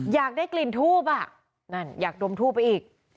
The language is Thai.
อยากได้กลิ่นทูบอ่ะนั่นอยากดมทูบไปอีก